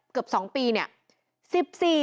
เกือบ๒ปีเนี่ย